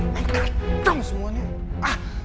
mereka kacau semuanya